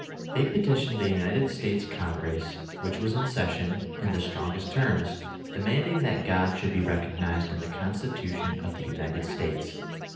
They petitioned the United States Congress, which was in session, in the strongest terms, demanding that God should be recognized in the Constitution of the United States.